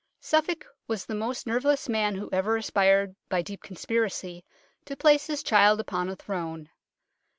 Suffolk was the most nerveless man who ever aspired by deep conspiracy to place his child upon a throne.